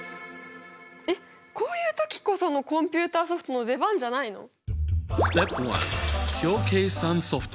えっこういう時こそのコンピューターソフトの出番じゃないの！？